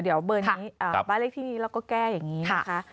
เดี๋ยวเบอร์นี้บ้านเลขที่นี้เราก็แก้อย่างนี้นะคะ